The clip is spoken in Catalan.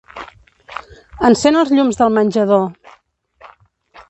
Encén els llums del menjador.